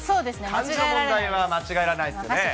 この問題は間違えられないですよね。